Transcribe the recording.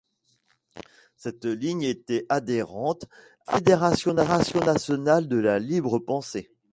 Cette Ligue était adhérente à la Fédération nationale de la libre pensée.